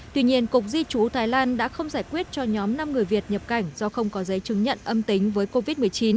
tuy nhiên cục di trú thái lan đã không giải quyết cho nhóm năm người việt nhập cảnh do không có giấy chứng nhận âm tính với covid một mươi chín